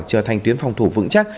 trở thành tuyến phòng thủ vững chắc